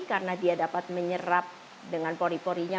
karena dia dapat menyerap dengan pori porinya